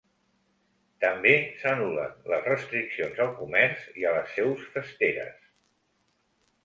També s’anul·len les restriccions al comerç i a les seus festeres.